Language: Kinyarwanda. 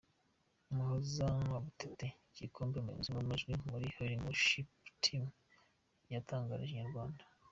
Muhoza Budete Kibonke umuyobozi w'amajwi muri Healing worship team yatangarije Inyarwanda.